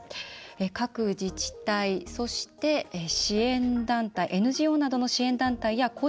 各自治体、そしてＮＧＯなどの市援個